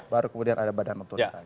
baru kemudian ada badan menurunkan